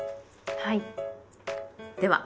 はい。